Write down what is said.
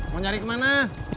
mau nyari kemana